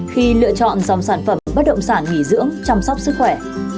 khi lựa chọn dòng sản phẩm bất động sản nghỉ dưỡng chăm sóc sức khỏe